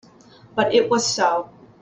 But it was so.